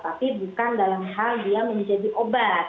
tapi bukan dalam hal dia menjadi obat